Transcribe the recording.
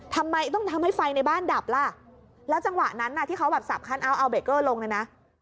ทำไมต้องทำให้ไฟในบ้านดับล่ะแล้วจังหวะนั้นน่ะที่เขาแบบสับคันเอาเบรกเกอร์ลงเนี่ยนะ